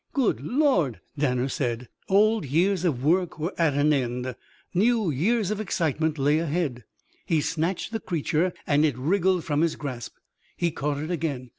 "Good Lord!" Danner said. Old years of work were at an end. New years of excitement lay ahead. He snatched the creature and it wriggled from his grasp. He caught it again.